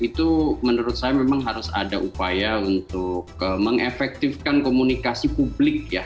itu menurut saya memang harus ada upaya untuk mengefektifkan komunikasi publik ya